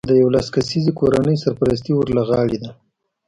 د یولس کسیزې کورنۍ سرپرستي ور له غاړې ده